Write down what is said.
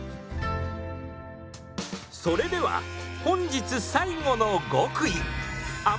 それでは本日最後の極意。